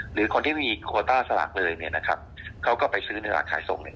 หรือคนที่มีโคต้าสลักเลยเนี้ยนะครับเขาก็ไปซื้อตลาดขายทรงเนี้ย